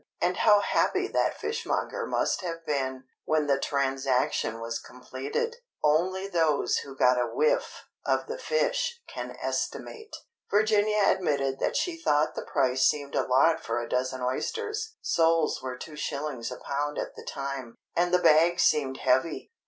And how happy that fishmonger must have been, when the transaction was completed, only those who got a whiff of the fish can estimate. Virginia admitted that she thought the price seemed a lot for a dozen oysters (soles were two shillings a pound at the time), and the bag seemed heavy.